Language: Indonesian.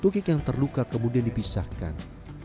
tukik yang terluka kemudian dipisahkan